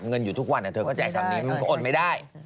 ไม่เคยทำธุรกิจแบบว่ามีเงินสดใช่ไหม